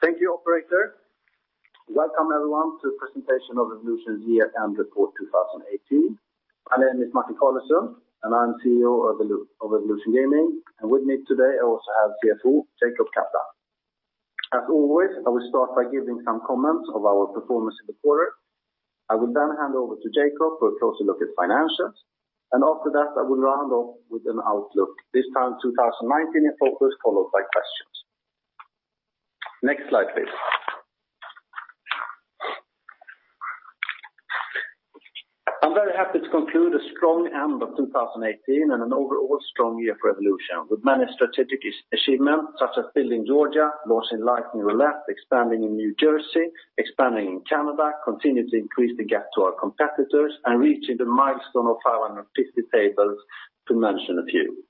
Thank you. Thank you operator. Welcome everyone to presentation of Evolution's year-end report 2018. My name is Martin Carlesund, and I'm CEO of Evolution Gaming. With me today I also have CFO, Jacob Kaplan. As always, I will start by giving some comments of our performance in the quarter. I will then hand over to Jacob for a closer look at financials. After that I will round off with an outlook, this time 2019 in focus, followed by questions. Next slide, please. I'm very happy to conclude a strong end of 2018 and an overall strong year for Evolution, with many strategic achievements such as building Georgia, launching Lightning Roulette, expanding in New Jersey, expanding in Canada, continuing to increase the gap to our competitors, and reaching the milestone of 550 tables, to mention a few.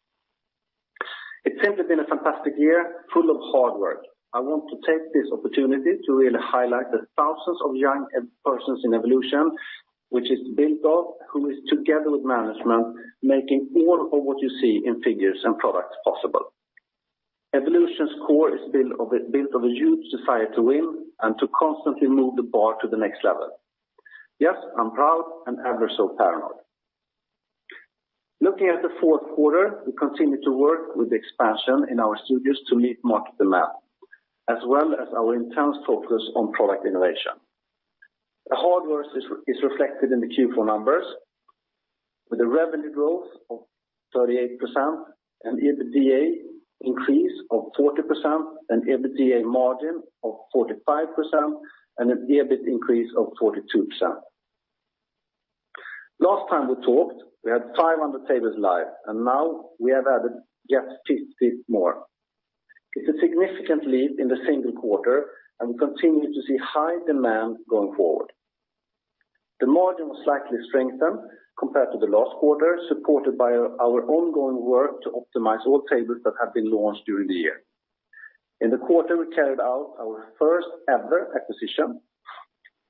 It's simply been a fantastic year, full of hard work. I want to take this opportunity to really highlight the thousands of young persons in Evolution, which is built of, who is together with management, making all of what you see in figures and products possible. Evolution's core is built of a huge desire to win and to constantly move the bar to the next level. Yes, I'm proud and ever so paranoid. Looking at the fourth quarter, we continue to work with the expansion in our studios to meet market demand, as well as our intense focus on product innovation. The hard work is reflected in the Q4 numbers. With a revenue growth of 38% and EBITDA increase of 40% and EBITDA margin of 45% and an EBIT increase of 42%. Last time we talked, we had 500 tables live, and now we have added just 50 more. It's a significant leap in the same quarter. We continue to see high demand going forward. The margin was slightly strengthened compared to the last quarter, supported by our ongoing work to optimize all tables that have been launched during the year. In the quarter, we carried out our first ever acquisition.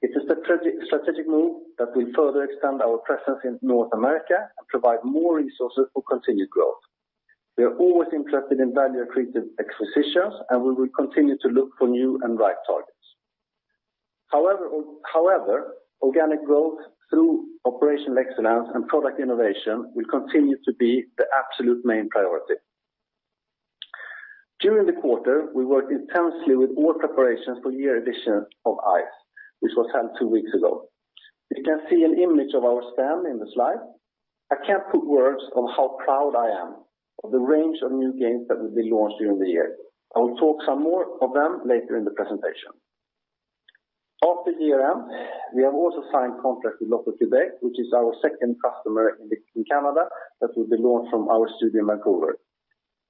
It is a strategic move that will further extend our presence in North America and provide more resources for continued growth. We are always interested in value-accretive acquisitions. We will continue to look for new and right targets. However, organic growth through operational excellence and product innovation will continue to be the absolute main priority. During the quarter, we worked intensely with all preparations for year edition of ICE, which was held two weeks ago. You can see an image of our stand in the slide. I can't put words on how proud I am of the range of new games that will be launched during the year. I will talk some more of them later in the presentation. After year-end, we have also signed contract with Loto-Québec, which is our second customer in Canada that will be launched from our studio in Vancouver.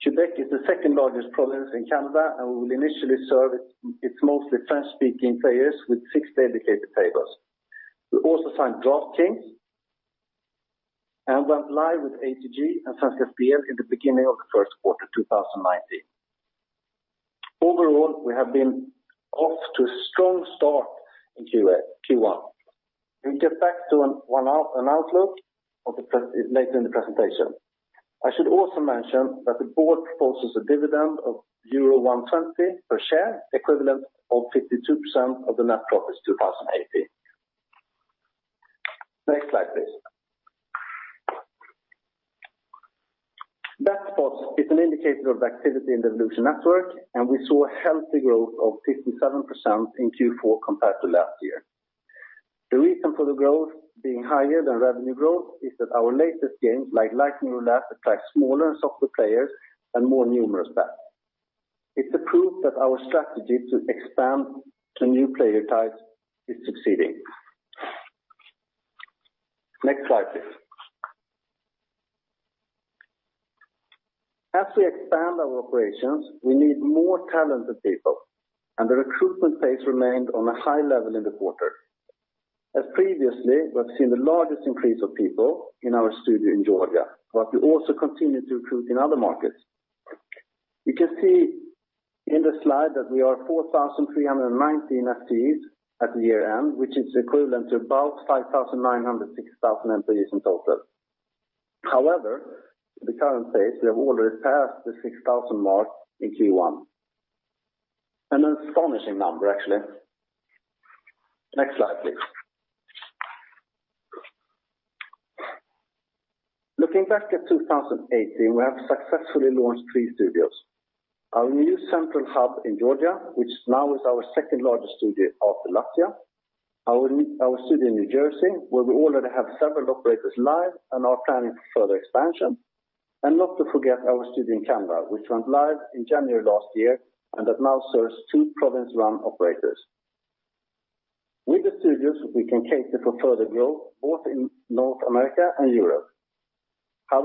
Quebec is the second largest province in Canada. We will initially serve its mostly French-speaking players with six dedicated tables. We also signed DraftKings and went live with ATG and Svenska Spel in the beginning of the first quarter 2019. Overall, we have been off to a strong start in Q1. We'll get back to an outlook later in the presentation. I should also mention that the board proposes a dividend of euro 120 per share, equivalent of 52% of the net profits 2018. Next slide, please. Bet spots is an indicator of activity in the Evolution network. We saw a healthy growth of 57% in Q4 compared to last year. The reason for the growth being higher than revenue growth is that our latest games, like Lightning Roulette, attract smaller and softer players and more numerous bets. It's a proof that our strategy to expand to new player types is succeeding. Next slide, please. As we expand our operations, we need more talented people. The recruitment pace remained on a high level in the quarter. As previously, we have seen the largest increase of people in our studio in Georgia, but we also continue to recruit in other markets. You can see in the slide that we are 4,319 FTEs at year-end, which is equivalent to about 5,900 to 6,000 employees in total. At the current pace, we have already passed the 6,000 mark in Q1. An astonishing number, actually. Next slide, please. Looking back at 2018, we have successfully launched three studios. Our new central hub in Georgia, which now is our second largest studio after Latvia, our studio in New Jersey, where we already have several operators live and are planning for further expansion. Not to forget our studio in Canada, which went live in January last year and that now serves two province-run operators. With the studios, we can cater for further growth both in North America and Europe. As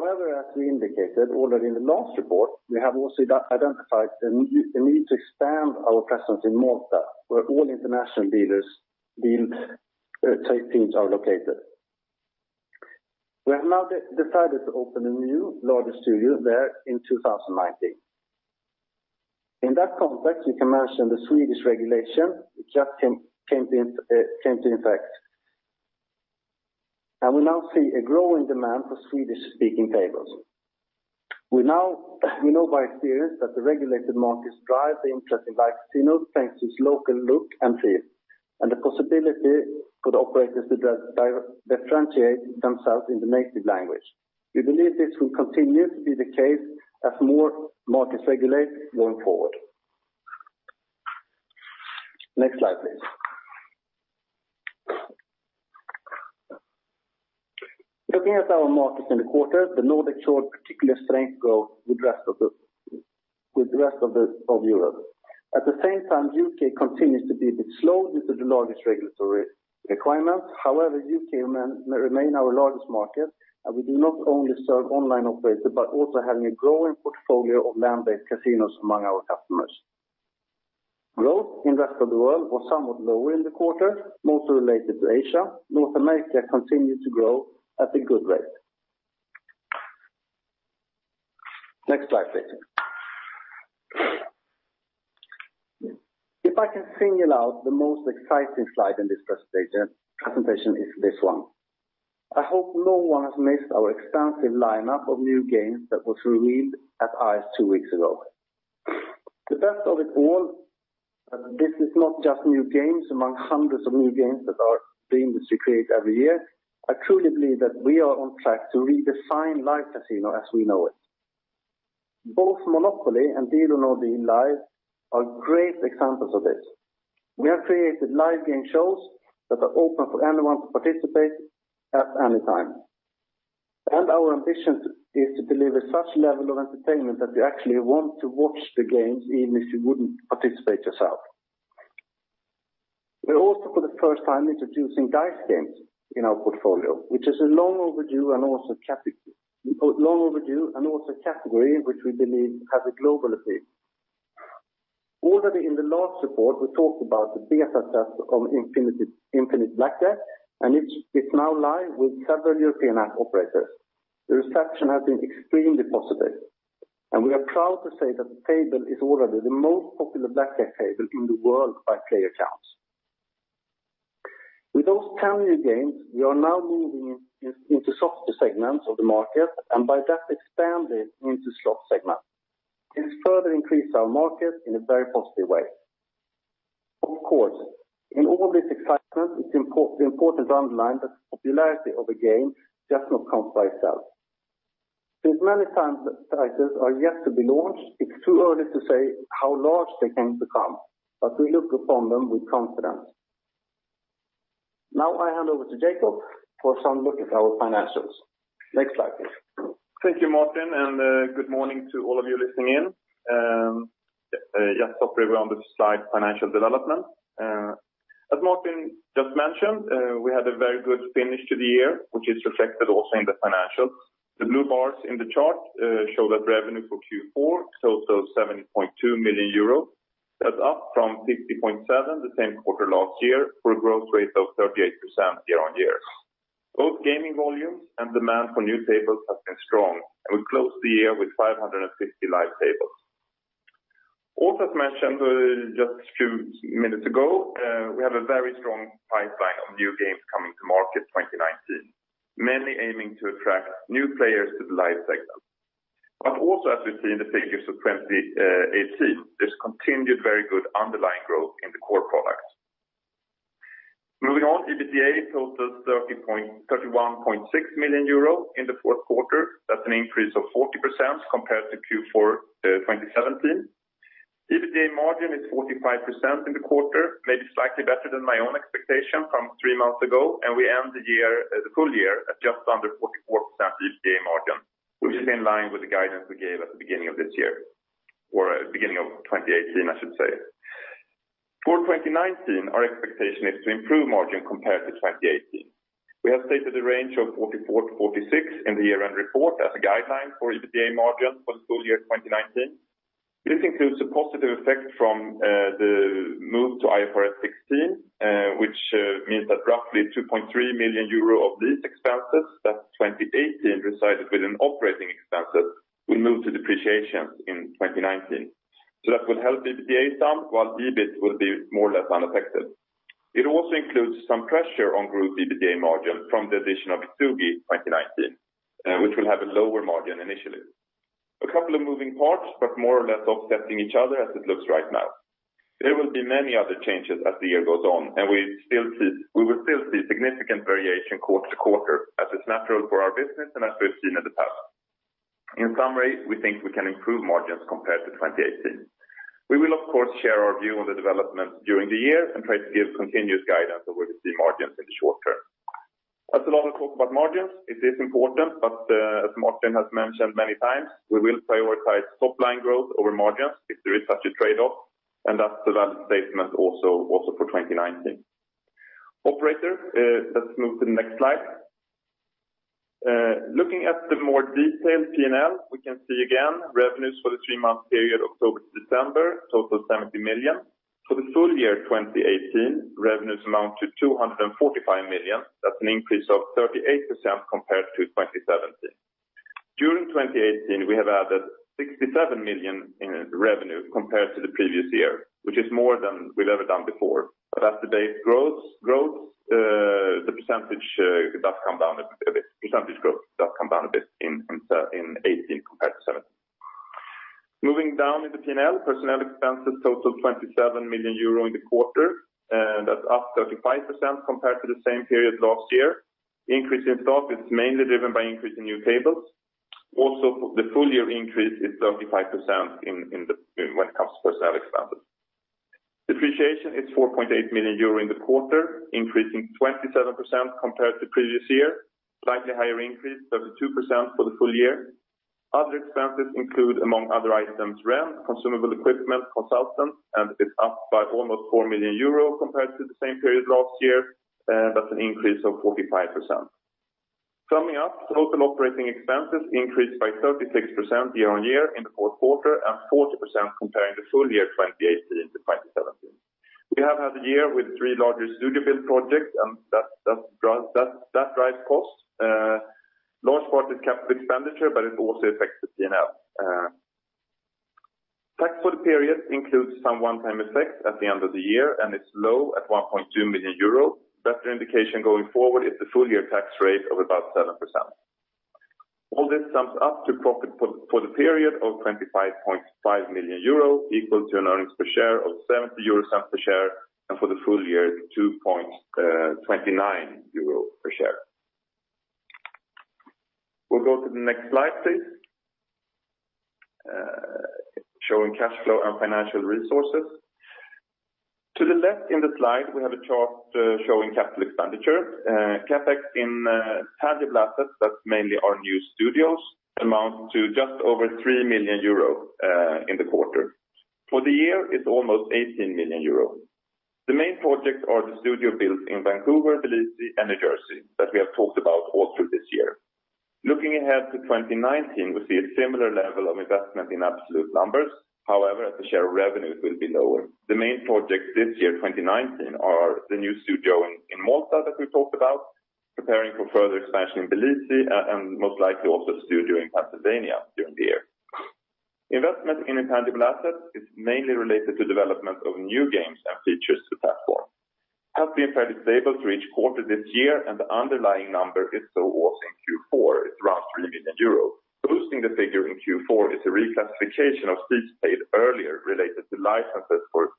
we indicated already in the last report, we have also identified the need to expand our presence in Malta, where all international deal teams are located. We have now decided to open a new larger studio there in 2019. In that context, we can mention the Swedish regulation, which just came into effect. We now see a growing demand for Swedish-speaking tables. We know by experience that the regulated markets drive the interest in Live Casino thanks to its local look and feel, and the possibility for the operators to differentiate themselves in the native language. We believe this will continue to be the case as more markets regulate going forward. Next slide, please. Looking at our markets in the quarter, the Nordics showed particular strength growth with the rest of Europe. At the same time, U.K. continues to be a bit slow due to the largest regulatory requirements. U.K. may remain our largest market. We do not only serve online operators but also having a growing portfolio of land-based casinos among our customers. Growth in the rest of the world was somewhat lower in the quarter, mostly related to Asia. North America continued to grow at a good rate. Next slide, please. If I can single out the most exciting slide in this presentation is this one. I hope no one has missed our extensive lineup of new games that was revealed at ICE two weeks ago. The best of it all, this is not just new games among hundreds of new games that the industry creates every year. I truly believe that we are on track to redesign Live Casino as we know it. Both MONOPOLY Live and Deal or No Deal Live are great examples of this. We have created live game shows that are open for anyone to participate at any time. Our ambition is to deliver such level of entertainment that you actually want to watch the games even if you wouldn't participate yourself. We're also for the first time introducing dice games in our portfolio, which is a long overdue and also category which we believe has a global appeal. Already in the last report, we talked about the beta success of Infinite Blackjack, and it's now live with several European app operators. The reception has been extremely positive, and we are proud to say that the table is already the most popular blackjack table in the world by player counts. With those 10 new games, we are now moving into softer segments of the market, and by that expanding into slot segment. It has further increased our market in a very positive way. Of course, in all this excitement, it's important to underline that the popularity of a game does not come by itself. Since many times titles are yet to be launched, it's too early to say how large they can become, but we look upon them with confidence. Now I hand over to Jacob for some look at our financials. Next slide, please. Thank you, Martin, good morning to all of you listening in. Just hop right away on the slide, financial development. As Martin just mentioned, we had a very good finish to the year, which is reflected also in the financials. The blue bars in the chart show that revenue for Q4 totals 70.2 million euros. That's up from 60.7 the same quarter last year for a growth rate of 38% year-on-year. Both gaming volumes and demand for new tables have been strong, and we closed the year with 550 live tables. Also as mentioned just a few minutes ago, we have a very strong pipeline of new games coming to market 2019, mainly aiming to attract new players to the live segment. As we see in the figures of 2018, this continued very good underlying growth in the core products. Moving on, EBITDA totals 31.6 million euro in the fourth quarter. That's an increase of 40% compared to Q4 2017. EBITDA margin is 45% in the quarter, maybe slightly better than my own expectation from three months ago, and we end the full year at just under 44% EBITDA margin, which is in line with the guidance we gave at the beginning of this year, or beginning of 2018, I should say. For 2019, our expectation is to improve margin compared to 2018. We have stated a range of 44%-46% in the year-end report as a guideline for EBITDA margin for the full year 2019. This includes a positive effect from the move to IFRS 16, which means that roughly 2.3 million euro of these expenses that 2018 resided within operating expenses will move to depreciation in 2019. That will help EBITDA some, while EBIT will be more or less unaffected. It also includes some pressure on group EBITDA margin from the addition of Ezugi 2019, which will have a lower margin initially. A couple of moving parts, but more or less offsetting each other as it looks right now. There will be many other changes as the year goes on, and we will still see significant variation quarter-to-quarter as is natural for our business and as we've seen in the past. In summary, we think we can improve margins compared to 2018. We will of course share our view on the development during the year and try to give continuous guidance on where we see margins in the short term. That's a lot of talk about margins. It is important, as Martin has mentioned many times, we will prioritize top-line growth over margins if there is such a trade-off, and that's the valid statement also for 2019. Operators, let's move to the next slide. Looking at the more detailed P&L, we can see again, revenues for the three-month period, October to December, total 70 million. For the full year 2018, revenues amount to 245 million. That's an increase of 38% compared to 2017. During 2018, we have added 67 million in revenue compared to the previous year, which is more than we've ever done before. After the growth, the percentage growth does come down a bit in 2018 compared to 2017. Moving down in the P&L, personnel expenses total 27 million euro in the quarter, and that's up 35% compared to the same period last year. The increase itself is mainly driven by increase in new tables. The full-year increase is 35% when it comes to personnel expenses. Depreciation is 4.8 million euro in the quarter, increasing 27% compared to previous year, slightly higher increase, 32% for the full year. Other expenses include, among other items, rent, consumable equipment, consultants, and it's up by almost 4 million euros compared to the same period last year. That's an increase of 45%. Summing up, total operating expenses increased by 36% year-on-year in the fourth quarter and 40% comparing to full year 2018 to 2017. We have had a year with three larger studio build projects, and that drives costs. Large part is capital expenditure, but it also affects the P&L. Tax for the period includes some one-time effects at the end of the year, and it's low at 1.2 million euros. Better indication going forward is the full-year tax rate of about 7%. All this sums up to profit for the period of 25.5 million euro, equal to an earnings per share of 0.70 per share, and for the full year, 2.29 euro per share. We'll go to the next slide, please, showing cash flow and financial resources. To the left in the slide, we have a chart showing capital expenditure. CapEx in tangible assets, that's mainly our new studios, amount to just over 3 million euro in the quarter. For the year, it's almost 18 million euro. The main projects are the studio builds in Vancouver, Tbilisi, and New Jersey that we have talked about all through this year. Looking ahead to 2019, we see a similar level of investment in absolute numbers. However, as a share of revenue, it will be lower. The main projects this year, 2019, are the new studio in Malta that we talked about, preparing for further expansion in Tbilisi, and most likely also a studio in Pennsylvania during the year. Investment in intangible assets is mainly related to development of new games and features to the platform. It has been fairly stable through each quarter this year, and the underlying number is also in Q4. It's around 3 million euros. Boosting the figure in Q4 is a reclassification of fees paid earlier related to licenses for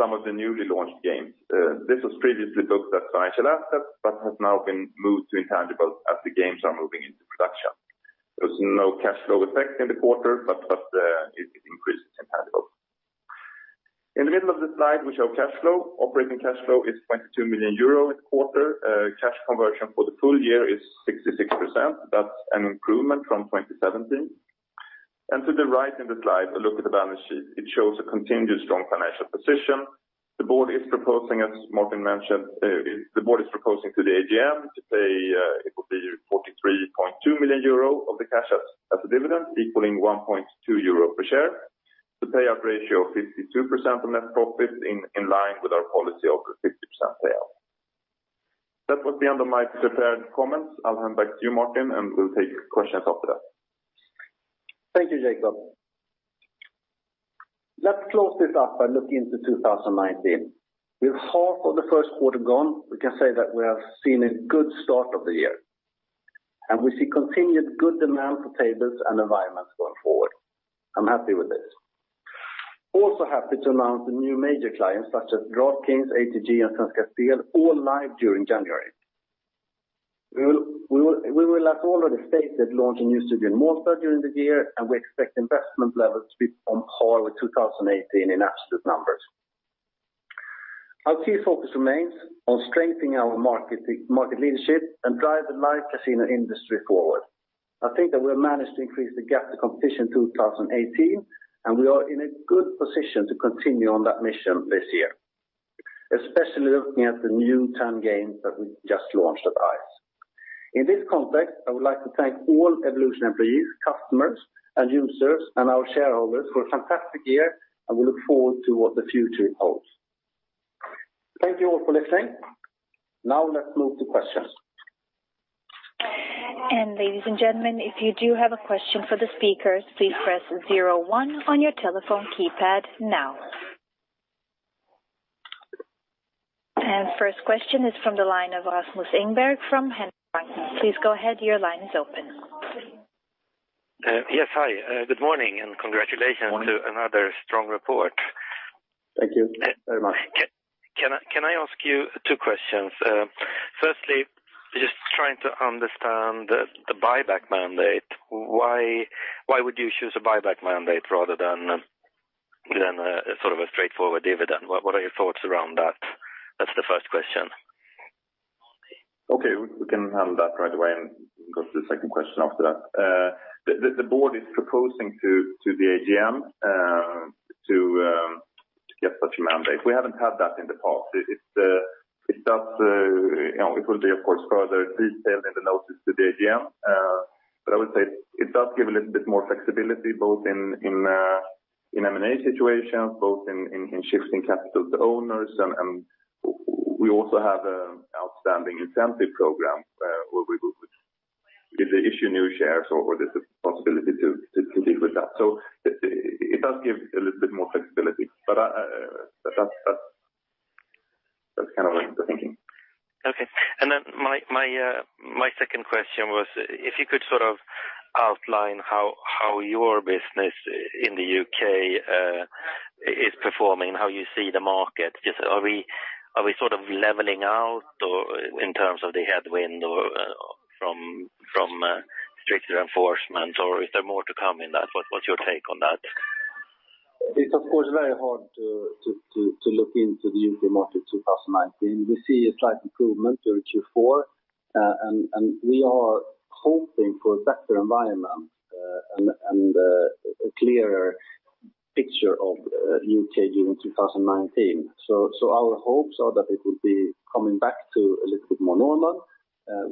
some of the newly launched games. This was previously booked as financial assets, but has now been moved to intangible as the games are moving into production. There's no cash flow effect in the quarter, but it increased intangibles. In the middle of the slide, we show cash flow. Operating cash flow is 22 million euro this quarter. Cash conversion for the full year is 66%. That's an improvement from 2017. To the right in the slide, a look at the balance sheet. It shows a continued strong financial position. The board is proposing, as Martin mentioned, to the AGM to pay, it will be 43.2 million euro of the cash as a dividend, equaling 1.2 euro per share. The payout ratio of 52% on net profit in line with our policy of a 50% payout. That was the end of my prepared comments. I'll hand back to you, Martin, and we'll take questions after that. Thank you, Jacob. Let's close this up by looking into 2019. With half of the first quarter gone, we can say that we have seen a good start of the year, and we see continued good demand for tables and environments going forward. I'm happy with this. Also happy to announce the new major clients such as DraftKings, ATG, and 1xBet, all live during January. We will, as already stated, launch a new studio in Malta during the year, and we expect investment levels to be on par with 2018 in absolute numbers. Our key focus remains on strengthening our market leadership and drive the Live Casino industry forward. I think that we have managed to increase the gap to competition in 2018, and we are in a good position to continue on that mission this year, especially looking at the new 10 games that we just launched at ICE. In this context, I would like to thank all Evolution employees, customers, and users, and our shareholders for a fantastic year. We look forward to what the future holds. Thank you all for listening. Let's move to questions. Ladies and gentlemen, if you do have a question for the speakers, please press zero one on your telephone keypad now. First question is from the line of Rasmus Engberg from Handelsbanken. Please go ahead. Your line is open. Yes. Hi, good morning, and congratulations to another strong report. Thank you very much. Can I ask you two questions? Firstly, just trying to understand the buyback mandate. Why would you choose a buyback mandate rather than a straightforward dividend? What are your thoughts around that? That's the first question. Okay. We can handle that right away and go to the second question after that. The board is proposing to the AGM to get such a mandate. We haven't had that in the past. It will be, of course, further detailed in the notice to the AGM. I would say it does give a little bit more flexibility, both in M&A situations, both in shifting capital to owners and We also have an outstanding incentive program where we will either issue new shares or there's a possibility to deal with that. It does give a little bit more flexibility. That's kind of the thinking. Okay. My second question was, if you could sort of outline how your business in the U.K. is performing and how you see the market. Are we sort of leveling out or in terms of the headwind or from stricter enforcement, or is there more to come in that? What's your take on that? It's of course, very hard to look into the UK market 2019. We see a slight improvement during Q4, we are hoping for a better environment, a clearer picture of U.K. during 2019. Our hopes are that it will be coming back to a little bit more normal,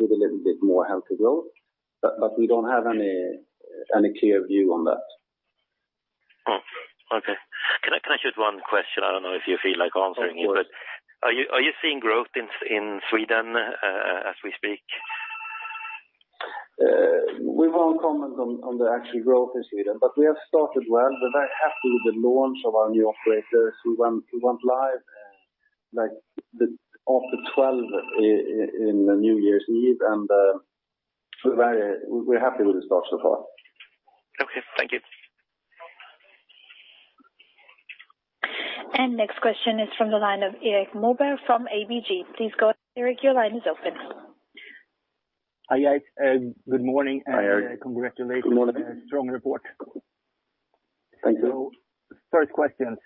with a little bit more healthy growth. We don't have any clear view on that. Okay. Can I just one question, I don't know if you feel like answering it. Of course. Are you seeing growth in Sweden as we speak? We won't comment on the actual growth in Sweden, but we have started well. We're very happy with the launch of our new operators who went live after 12 in the New Year's Eve, and we're happy with the start so far. Okay. Thank you. Next question is from the line of Erik Moberg from ABG. Please go ahead, Erik. Your line is open. Hi, guys. Good morning. Hi, Erik. Congratulations. Good morning. On a strong report. Thank you. First question.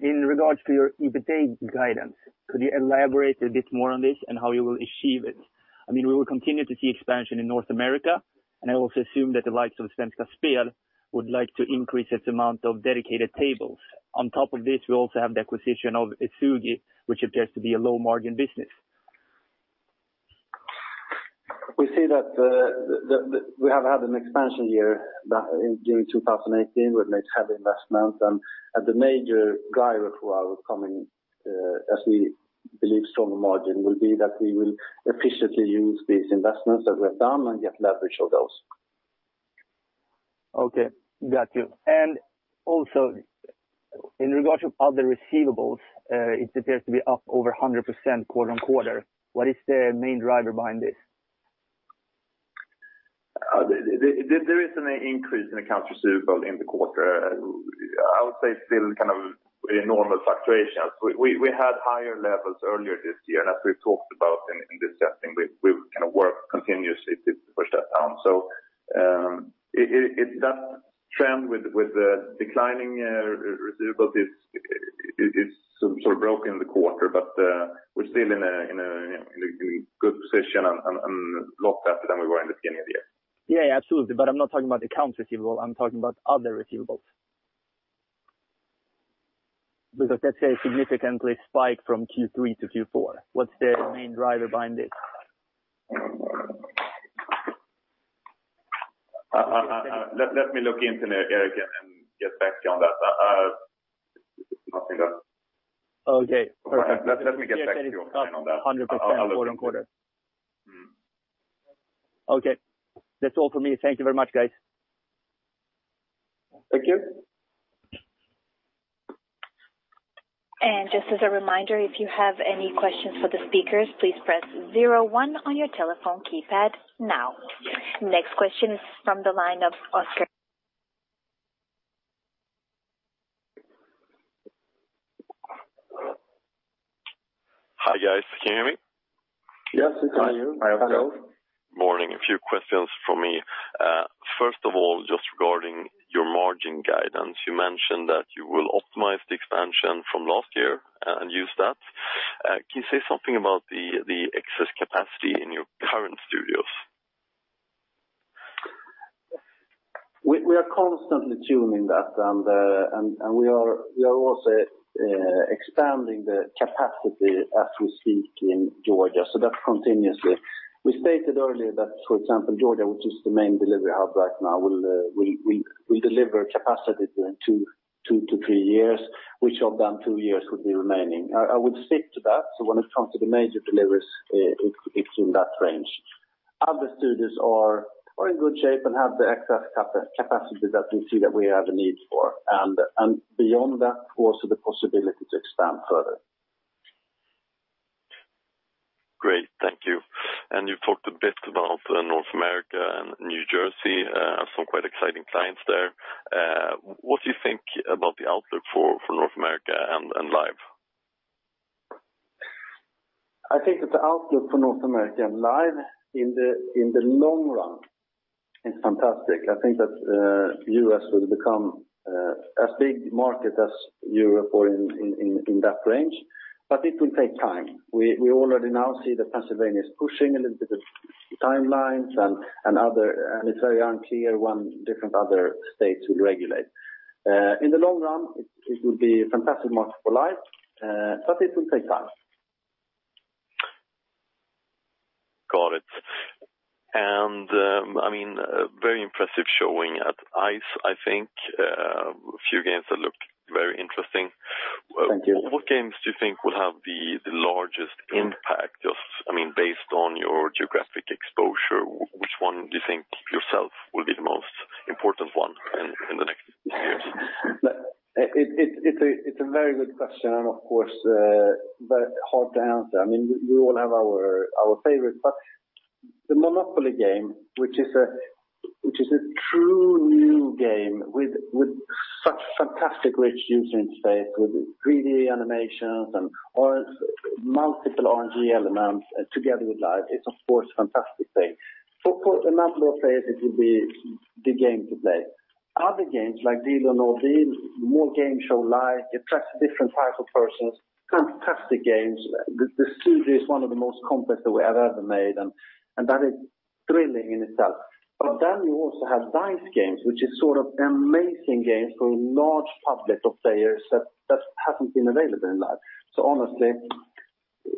In regards to your EBITDA guidance, could you elaborate a bit more on this and how you will achieve it? I mean, we will continue to see expansion in North America, and I also assume that the likes of Svenska Spel would like to increase its amount of dedicated tables. On top of this, we also have the acquisition of Ezugi, which appears to be a low margin business. We see that we have had an expansion year back in June 2018. We've made heavy investments and the major driver for our coming, as we believe, stronger margin will be that we will efficiently use these investments that we have done and get leverage of those. Okay. Got you. Also in regards of other receivables, it appears to be up over 100% quarter-on-quarter. What is the main driver behind this? There is an increase in accounts receivable in the quarter. I would say still kind of normal fluctuations. We had higher levels earlier this year, and as we've talked about in discussing, we kind of work continuously to push that down. That trend with the declining receivables is sort of broken in the quarter, we're still in a good position and a lot better than we were in the beginning of the year. Yeah, absolutely. I'm not talking about accounts receivable, I'm talking about other receivables. That's a significant spike from Q3 to Q4. What's the main driver behind this? Let me look into that, Erik, and get back to you on that. Okay. Perfect. Let me get back to you on that. Hundred percent quarter on quarter. Okay. That's all for me. Thank you very much, guys Thank you. Just as a reminder, if you have any questions for the speakers, please press zero one on your telephone keypad now. Next question is from the line of Oscar. Hi, guys. Can you hear me? Yes, we can hear you. Hi, Oscar. Morning. A few questions from me. First of all, just regarding your margin guidance, you mentioned that you will optimize the expansion from last year and use that. Can you say something about the excess capacity in your current studios? We are constantly tuning that, and we are also expanding the capacity as we speak in Georgia. That's continuously. We stated earlier that, for example, Georgia, which is the main delivery hub right now, we deliver capacity during two to three years. We showed that two years would be remaining. I would stick to that. When it comes to the major deliveries, it's in that range. Other studios are in good shape and have the excess capacity that we see that we have a need for. Beyond that, also the possibility to expand further. Great. Thank you. You talked a bit about North America and New Jersey, have some quite exciting clients there. What do you think about the outlook for North America and Live? I think that the outlook for North America and Live in the long run is fantastic. I think that U.S. will become as big market as Europe or in that range, but it will take time. We already now see that Pennsylvania is pushing a little bit of timelines, and it's very unclear when different other states will regulate. In the long run, it will be a fantastic market for Live, but it will take time. Got it. Very impressive showing at ICE, I think. A few games that looked very interesting. Thank you. What games do you think will have the largest impact? Based on your geographic exposure, which one do you think yourself will be the most important one in the next years? It's a very good question, and of course, very hard to answer. We all have our favorites, but the MONOPOLY Live game, which is a true new game with such fantastic rich user interface, with 3D animations and multiple RNG elements together with live, it's of course a fantastic thing. For a number of players, it will be the game to play. Other games like Deal or No Deal Live, more game show live, attracts different types of persons, fantastic games. The studio is one of the most complex that we have ever made, and that is thrilling in itself. You also have dice games, which is sort of amazing games for a large public of players that hasn't been available in live. Honestly,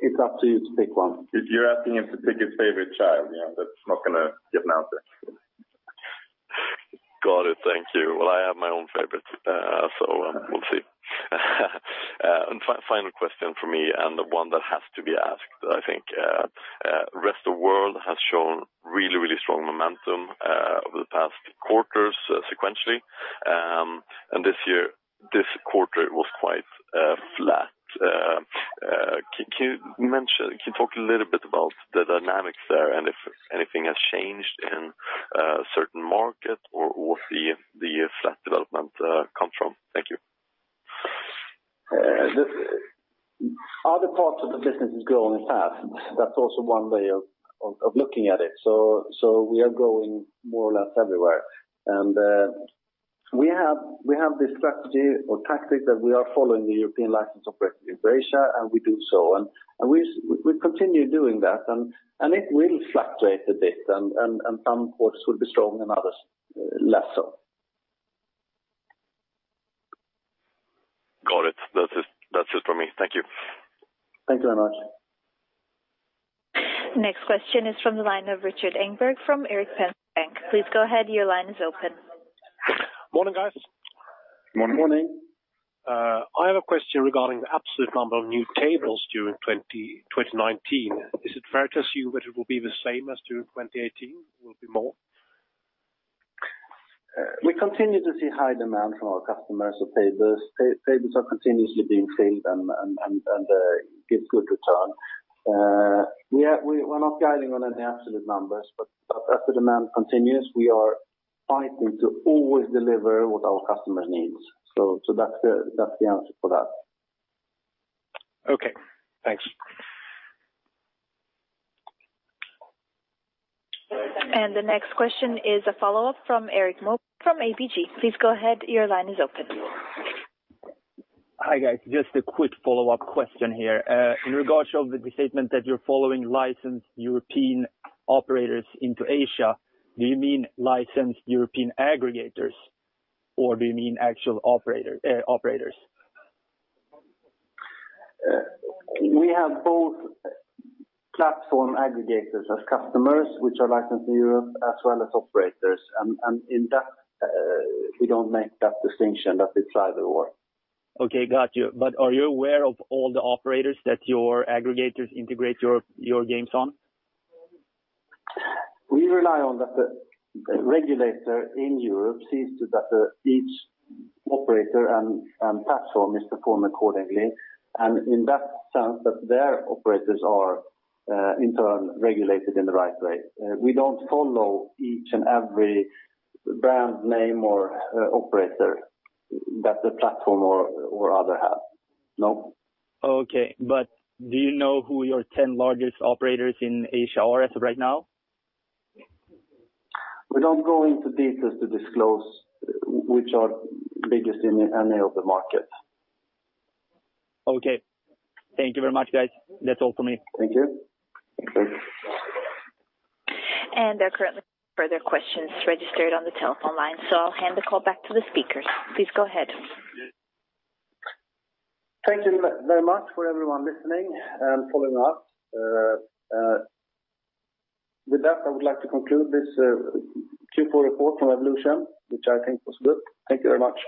it's up to you to pick one. If you're asking him to pick his favorite child, that's not going to get an answer. Got it. Thank you. Well, I have my own favorite, so we'll see. Final question from me, and the one that has to be asked, I think. Rest of World has shown really strong momentum over the past quarters sequentially. This year, this quarter was quite flat. Can you talk a little bit about the dynamics there and if anything has changed in a certain market, or where the flat development come from? Thank you. Other parts of the business is growing fast. That's also one way of looking at it. We are growing more or less everywhere. We have this strategy or tactic that we are following the European license operator in Asia, and we do so on. We continue doing that, and it will fluctuate a bit, and some quarters will be strong and others less so. Got it. That's it from me. Thank you. Thank you very much. Next question is from the line of Rikard Engberg from Erik Penser Bank. Please go ahead, your line is open. Morning, guys. Morning. I have a question regarding the absolute number of new tables during 2019. Is it fair to assume that it will be the same as during 2018? Will it be more? We continue to see high demand from our customers for tables. Tables are continuously being filled and give good return. We're not guiding on any absolute numbers, but as the demand continues, we are fighting to always deliver what our customers need. That's the answer for that. Okay. Thanks. The next question is a follow-up from Erik Mo from ABG. Please go ahead, your line is open. Hi, guys. Just a quick follow-up question here. In regards of the statement that you're following licensed European operators into Asia, do you mean licensed European aggregators, or do you mean actual operators? We have both platform aggregators as customers, which are licensed in Europe, as well as operators. In that, we don't make that distinction that it's either/or. Okay, got you. Are you aware of all the operators that your aggregators integrate your games on? We rely on that the regulator in Europe sees to that each operator and platform is performing accordingly, and in that sense, that their operators are in turn regulated in the right way. We don't follow each and every brand name or operator that the platform or other have. No. Okay. Do you know who your 10 largest operators in Asia are as of right now? We don't go into details to disclose which are biggest in any of the markets. Okay. Thank you very much, guys. That's all for me. Thank you. Thank you. There are currently no further questions registered on the telephone line, so I'll hand the call back to the speakers. Please go ahead. Thank you very much for everyone listening and following us. With that, I would like to conclude this Q4 report from Evolution, which I think was good. Thank you very much.